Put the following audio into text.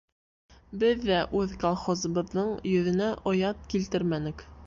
Беҙ ҙә үҙ колхозыбыҙҙың йөҙөнә оят килтермәнек.